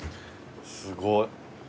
すごい。